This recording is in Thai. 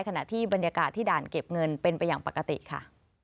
ขณะที่บรรยากาศที่ด่านเก็บเงินเป็นไปอย่างปกติค่ะ